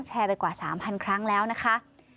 ไปกว่า๓๐๐ครั้งแล้วนะคะ